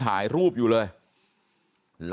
ไปรับศพของเนมมาตั้งบำเพ็ญกุศลที่วัดสิงคูยางอเภอโคกสำโรงนะครับ